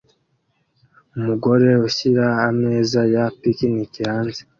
Umugore ushyira ameza ya picnic hanze